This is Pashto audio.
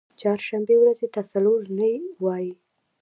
چهارشنبې ورځی ته څلور نۍ وایی